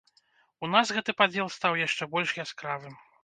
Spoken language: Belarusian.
У нас гэты падзел стаў яшчэ больш яскравым.